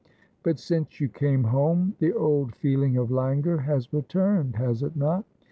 ' But since you came home the old feeling of languor has returned, has it not